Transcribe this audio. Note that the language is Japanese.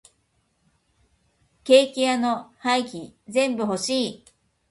ケーキ屋の廃棄全部欲しい。